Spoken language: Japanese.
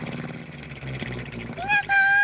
みなさん！